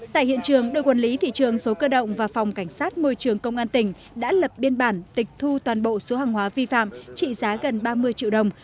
tại hiện trường đội quản lý thị trường số cơ động và phòng cảnh sát môi trường công an tỉnh đã lập biên bản tịch thu toàn bộ số hàng hóa vi phạm trị giá gần ba mươi triệu đồng